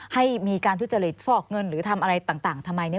ให้มีการทุจริตฟอกเงินหรือทำอะไรต่างทำไมเนี่ย